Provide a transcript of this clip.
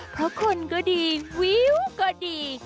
เพราะคนก็ดีวิวก็ดี